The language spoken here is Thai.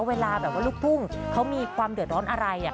เวลาแบบว่าลูกทุ่งเขามีความเดือดร้อนอะไร